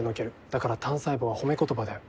だから単細胞は褒め言葉だよ。